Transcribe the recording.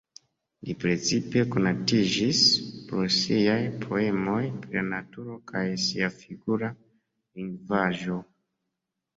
Li precipe konatiĝis pro siaj poemoj pri la naturo kaj sia figura lingvaĵo.